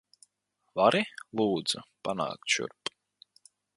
Vari, lūdzu, panākt šurp?